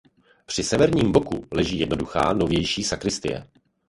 Při severním boku leží jednoduchá novější sakristie.